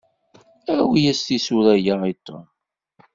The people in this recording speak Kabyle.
Awi-yas tisura-ya i Tom.